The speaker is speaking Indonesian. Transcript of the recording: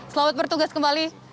selamat bertugas kembali